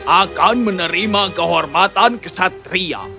akan menerima kehormatan kesatria